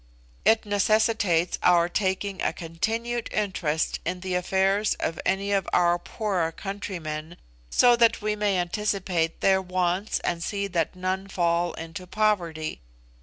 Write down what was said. It necessitates our taking a continued interest in the affairs of any of our poorer countrymen, so that we may anticipate their wants and see that none fall into poverty.